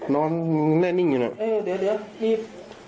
นอนเน่นนิ่งอยู่เนอะเออเดี๋ยวเดี๋ยวอีบ